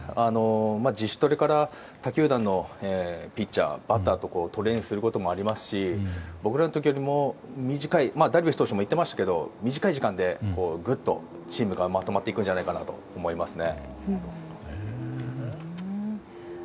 自主トレから他球団のピッチャーバッターとトレーニングすることもありますし僕らの時よりもダルビッシュ投手も言っていましたが短い時間でぐっとチームがまとまっていくんじゃないかと思いますね。